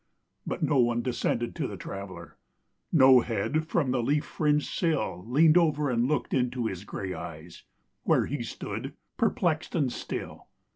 But no one descended to the Traveler; No head from the leaf fringed sill Leaned over and looked into his gray eyes, Where he stood perplexed and still.